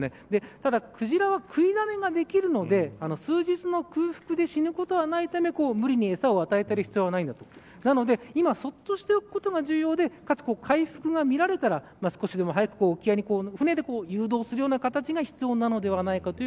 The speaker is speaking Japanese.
ただ、クジラは食いだめができるので数日の空腹で死ぬことはないため無理に餌を与えてやる必要はないとなので今はそっとしておくことが必要でなおかつ回復が見られたら少しでも早く沖合に船で誘導するような形が必要ではないかという